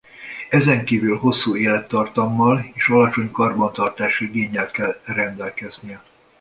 Ezen kívül hosszú élettartammal és alacsony karbantartási igénnyel kell rendelkeznie.